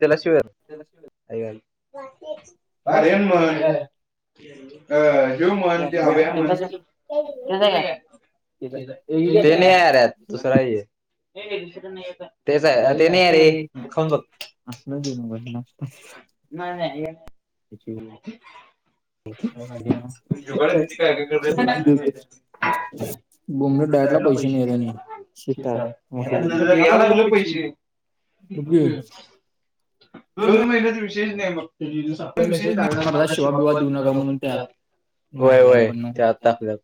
तेला शिव्या [inaudible] आईघाली. मारीन म्हन [inaudible] अ का [unintelligible] जीव म्हन, जाव्या म्हन. [inaudible] [unintelligible] हे घे तीचेकडे नईयत तेच आहे अ ते नाही आहे रे तु खाऊन बघ. न मग नत नाही नाही. [unintelligible] [unintelligible] दोन महिन्यात विशेष नाही मग. [unintelligible] व्हय व्हय त्या त आपल्यात.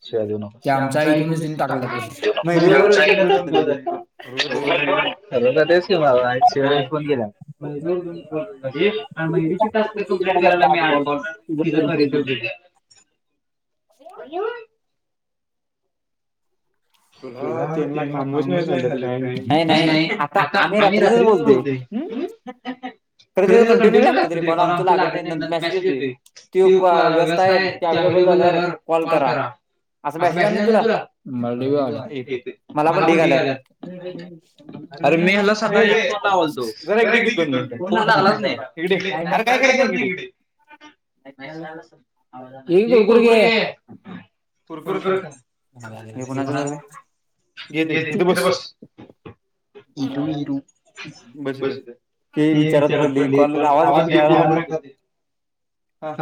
[unintelligible] [unintelligible] आणि म कितीास कंप्लीट करायला मी आठ तिक आहे. [unintelligible] [unintelligible] तुला त्यांना थांबच नाही झाचालत काय नाही नाही आता आम्ही रात्रीचच बोलते. हम्म. त कंटिन्यू लागत तरी कॉल आम लागत नाही मेसेज येत ती व्यस्था आहे ते अवेले बल झाल्यावर कॉल करा अस मेसेज अला नही तुला नाही. मला पण आलात. जरा इडे की दोन मिनिट इडे मर काय करत नाही इकडे. हे गुरगुर ग. कुरकुर खा. हे कोणाचं पोरग आहे. इटू इटू बस इथं. ते विचारात पडली कॉल आवाज हा.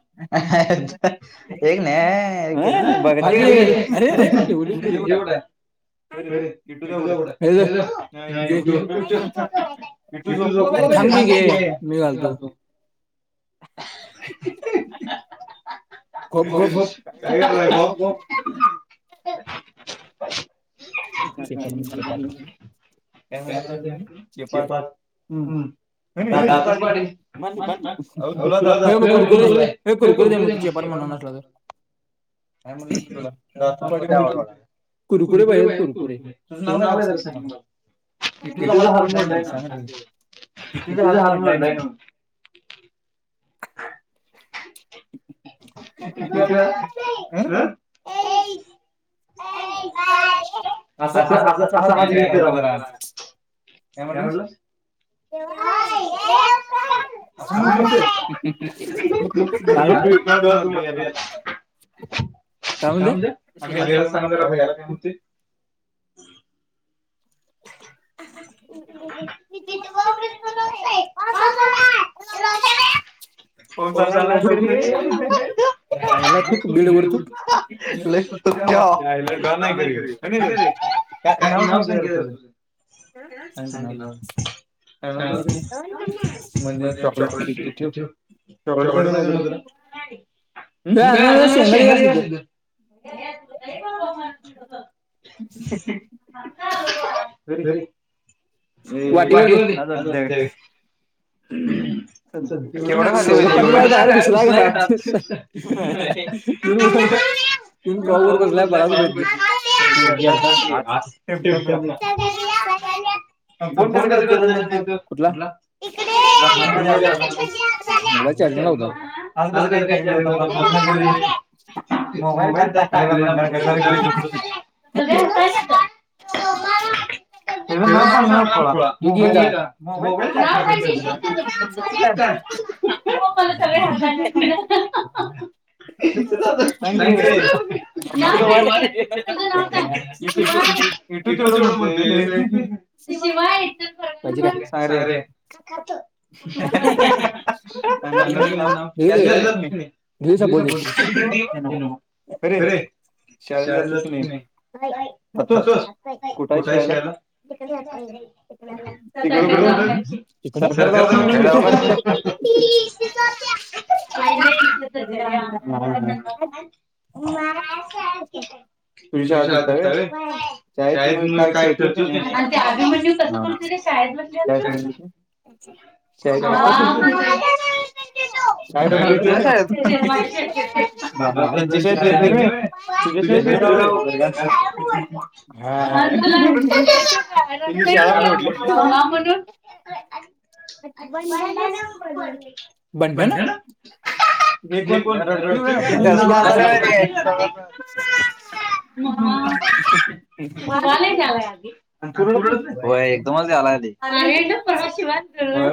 एक नाही एक. [unintelligible] [unintelligible] [unintelligible] [unintelligible] [unintelligible] [unintelligible] [unintelligible] [unintelligible] [unintelligible] काय म्हण तुला रात पा म्हण कुरुकुरे पाजल. तुझं नाव काय जरा सांगि तु मला. [unintelligible] [unintelligible] [unintelligible] [unintelligible] काय म्हटलास. [unintelligible] [unintelligible] [unintelligible] [unintelligible] [unintelligible] [unintelligible] [unintelligible] [unintelligible] म्हणजे चॉकलेट तर ठेव. [unintelligible] [unintelligible] [unintelligible] हम्म, सौरभ प्टीला बाहेर घुसलाय घरात [unintelligible] [unintelligible] [unintelligible] फोन कस कळत झालं नेम त कुठला बाथरूम मध्ये असताना मोबाईल चार्जिंगलावता आल कसं काही चार्जिंग होतथरूम [unintelligible] मोबाईल त्याच टाकलेला म्हण गल [unintelligible] [inaudible] [unintelligible] [unintelligible] इटू एवढं म्हणत काय शिवाय सारे कातो, [unintelligible] दिश बोल अरे [unintelligible] शाळेला जातो त नाही जातो कुठे आहे शाळेला [unintelligible] इ सरकार दवाखान्यापासी, [unintelligible] ह, [unintelligible] [unintelligible] [unintelligible] [unintelligible] [unintelligible] म्हणून, [unintelligible] [unintelligible] म हिवालयच्या आहे आली, होय एकदमच आलाे [unintelligible] य म्हण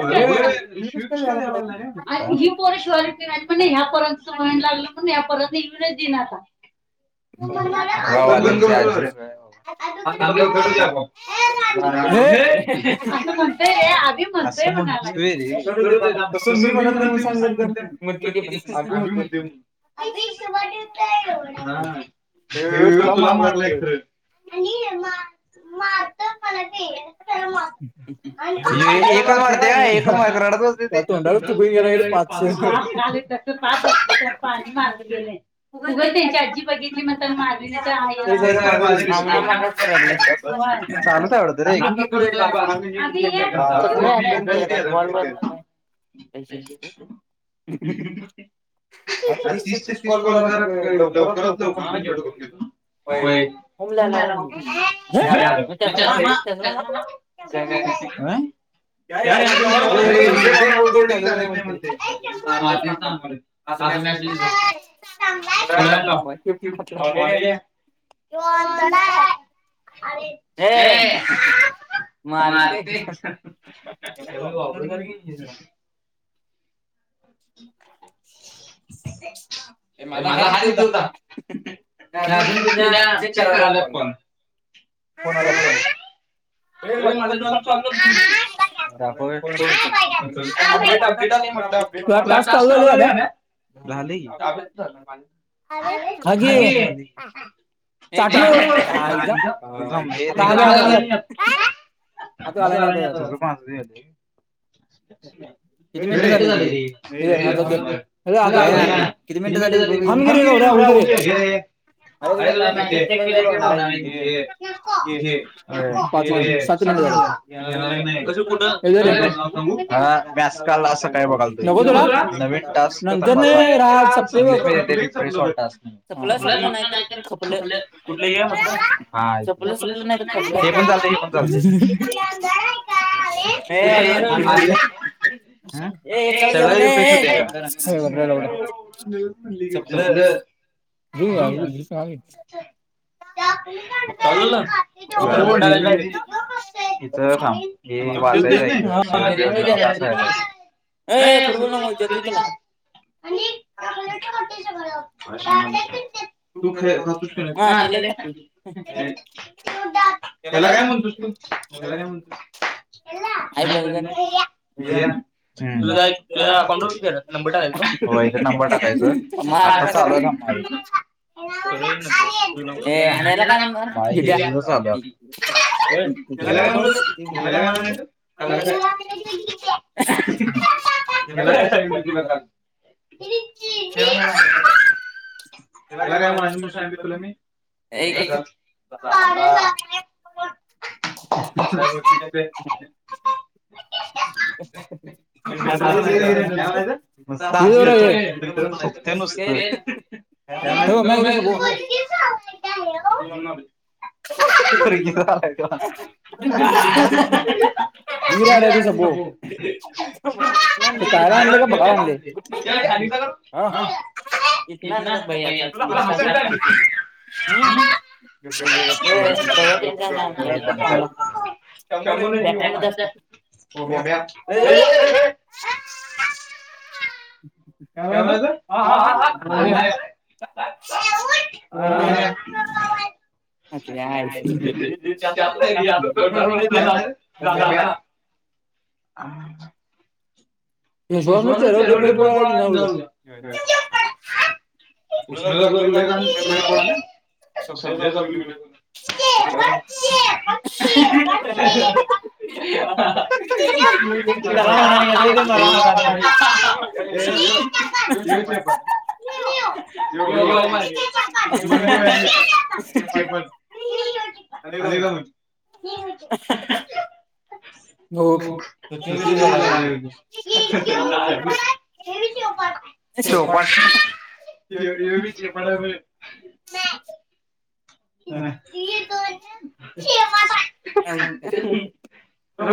लागल म यापर्यंत इवडे देन आता [unintelligible] सांगुन ये रान्डच्या ये अस म्हणतात. आधी म्हणतोय म्हणाला अस नसतोय रे करु दे थांब तस मी म्हणतोय म्हणुन सांग अभि म्हणतोय अभि शिव्या देतोय एवढ्याच हेवेवो तुला मारलाय खरंच आणि मा मारतोय मला [unintelligible] एकच मारते का एक मारण्यात रडत बसतय ते त्याच्यात तर पाणी मारून गेले. उग त्यांची आजी बघितली मनत माझी आहे माझ चालुच हाय वाटतं रे थांब की करतोय बाबा तुझे [unintelligible] [unintelligible] तीसचे तीस कॉल जरा लवकरात लवकर करुन घ्यायचे. होय होमल्याला होम समा फेकल्यावर तु करायला हं! अरे होल्डिंग झाले नाही म्हणतय, ते मारीन आज मॅच हाय झोप चांगल हायसा थोड्या वेळाने लाव आरे ये तो आंधळा हाय आरे भाशशश् [unintelligible] मारतय [unintelligible] हे माझा हात इथ होता. ते अजून तेज्या चेक कराल्यात पण कोण आला? अे माझ्या दादा चाललो मी अ होय नाय पाहिजेत अपडेट अपडेट आलय म्हटलं. झालेय की आबे आरे हाघे चारही तुमच्या आवाज वाढव [unintelligible] काय आता आलाय आणि आता पाच करेक्ट झाले रे तीन मिनटं झाली. थांब कि लवड्या उद्या ये [unintelligible] अरे तुझ मारणार आहे [unintelligible] हे गजु कुठं कुठ नाव सांगू हा व्यास का असं काय बघालतो, नवीन टास्क तपासा अतिरिक्त सॉल्व टास्क सपलं सपलं नाही खपलं नाही हे पण चालतय की, चाल तिथे हा आंधळा हाय का विन ये सुप हे एकाला ये मन ये सपलं लवड्या सपल ये आज नव्हत शाळा चॉकलेट आणतो म्हणालेला आणि कॅडबरी आणली इथं थांब हे वाचायचं इथं श आहे. अ ये फुटबॉल नको घेऊस. आणि चॉकलेट खातोय सगळ दात किडत्यात, तू खातोस की नाही चल ये साठी त्याला काय म्हणतो? याला काय म्हणातो नाही म्हणत नाही पण भैय्या तुझ्या अकाउंटवर किती आल्यात नंबर टाकायचा नव इथ नंबर टाकायच काय चालू हाय कामावर? ये आवडला आर्यन ह्याला काय म्हणतो? एक [unintelligible] ह्याला काय म्हणतो ह्याला का म्हणायच का? ह्याला कशाला येतीला का? त्याला काय मारतूस हेला काय म्हणायचं म्हनून सांगितलय तुला मी [unintelligible] [unintelligible] हे जरा घे. [unintelligible] [unintelligible] ही राडा आदी सपव आण पायला आणले का बघायला आणलय कुठंन आणलय. नाही नाही नाही भया [unintelligible] हम् चांग [unintelligible] समोर मॅट मध्ये असत [unintelligible] काय म्हणालत? ह ह [unintelligible] [unintelligible] [unintelligible] फेसवॉश न चेहऱ्यावर लई फरक पडलंय सबज्या चालू कर [inaudible] चला म्हणाय ते [unintelligible] एवढ मनपण अनेदा म्हण, हो तर ते क झा चपट चोपट एवीच मला [unintelligible] त्याला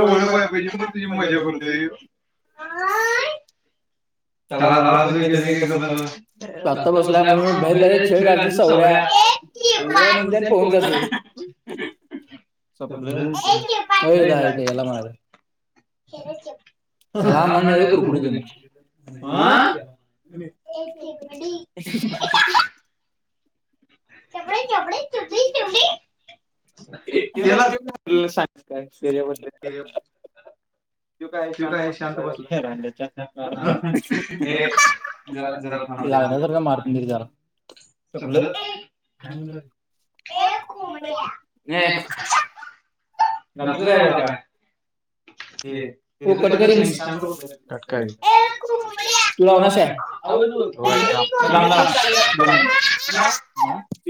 ओळ पाय पाहिजे मग तुझी मजा करतय [inaudible] आज कणी गपच बसल्या आता बसल्या बहिर जाईल सौर्या पळून जाशील लाग [unintelligible] का म्हण हा चपडे चपडी चुडी चपडी आप सां काय सैरे शू काय शांत बसला. [unintelligible] ए कोंबड्या जातीस काय घरला [unintelligible] त कटकिंग लावण्यास आहे काय ांग [unintelligible]